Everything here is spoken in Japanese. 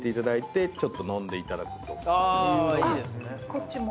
こっちも？